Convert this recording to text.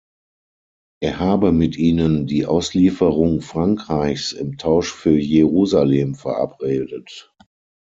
Er habe mit ihnen die Auslieferung Frankreichs im Tausch für Jerusalem verabredet.